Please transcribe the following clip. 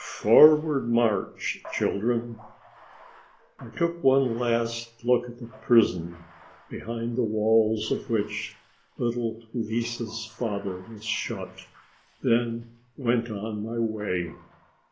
Forward march, children! I took one last look at the prison, behind the walls of which little Lise's father was shut, then went on my way.